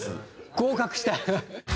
合格した！